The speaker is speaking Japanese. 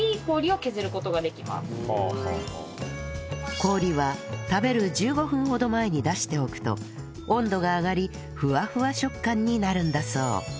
氷は食べる１５分ほど前に出しておくと温度が上がりふわふわ食感になるんだそう